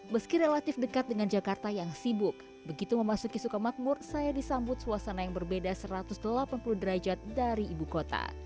meski relatif dekat dengan jakarta yang sibuk begitu memasuki sukamakmur saya disambut suasana yang berbeda satu ratus delapan puluh derajat dari ibu kota